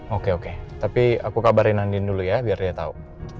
oke oke tapi aku kabarin andin dulu ya biar dia tahu